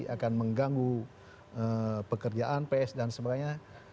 akan mengganggu pekerjaan ps dan sebagainya